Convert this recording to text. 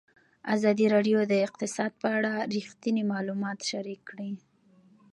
ازادي راډیو د اقتصاد په اړه رښتیني معلومات شریک کړي.